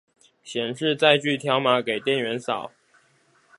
顯示載具條碼給店員掃